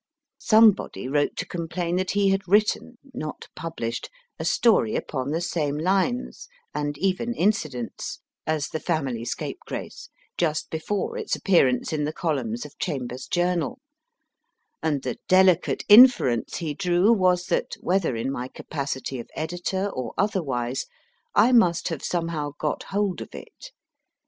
Somebody wrote to complain that he had written (not published) a story upon the same lines, and even incidents, as The Family Scapegrace, just before its ap pearance in the columns of Chambers s Journal, and the delicate inference he drew was that, whether in my capacity of editor or otherwise, I must have somehow got hold of it.